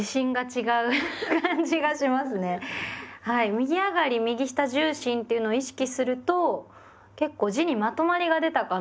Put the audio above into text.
右上がり右下重心っていうのを意識すると結構字にまとまりが出たかなっていう感じがします。